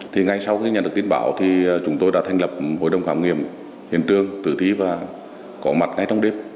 thì ngay sau khi nhận được tin bảo thì chúng tôi đã thành lập hội đồng khám nghiệm hiện trường tử thi và có mặt ngay trong đếp